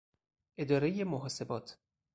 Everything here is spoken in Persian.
ادارهُ محاسبات